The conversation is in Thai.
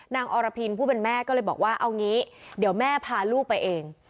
อรพินผู้เป็นแม่ก็เลยบอกว่าเอางี้เดี๋ยวแม่พาลูกไปเอง